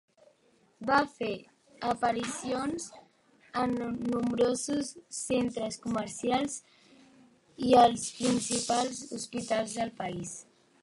Va fer aparicions en nombrosos centres comercials i als principals hospitals del país.